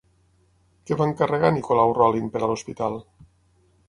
Què va encarregar Nicolau Rolin per a l'hospital?